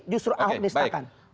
justru ahok diserahkan